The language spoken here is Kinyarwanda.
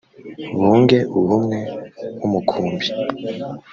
bunge ubumwe nk umukumbi